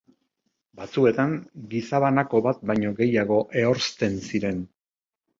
Batzuetan, gizabanako bat baino gehiago ehorzten ziren.